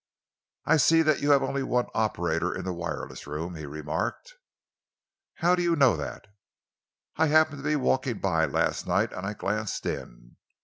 "I see that you have only one operator in the wireless room," he remarked. "How do you know that?" "I happened to be walking by last night, and I glanced in."